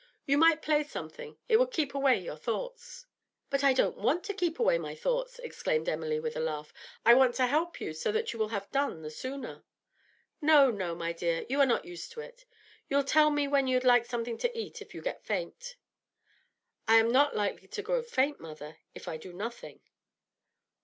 You might play something; it would keep away your thoughts.' 'But I don't want to keep away my thoughts,' exclaimed Emily, with a laugh. 'I want to help you so that you will have done the sooner.' 'No, no, my dear; you are not used to it. You'll tell me when you'd like something to eat if you get faint.' 'I am not likely to grow faint, mother, if I do nothing.'